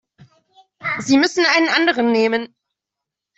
Sie müssen einen anderen nehmen.